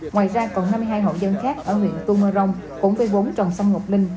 ngoài ra còn năm mươi hai hộ dân khác ở huyện tù mật rồng cũng vây vốn trồng xăm ngọc linh